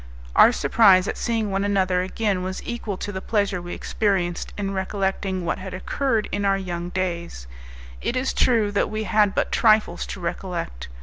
Our surprise at seeing one another again was equal to the pleasure we experienced in recollecting what had occurred in our young days; it is true that we had but trifles to recollect.